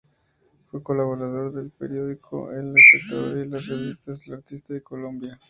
Fue colaborador del periódico "El Espectador" y de las revistas "El Artista y Colombia".